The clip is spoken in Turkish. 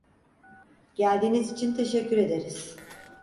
Geldiğiniz için teşekkür ederiz.